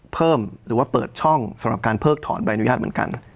หรือว่าเปิดช่องสำหรับการเพิกถอนใบอนุญาตเหมือนกัน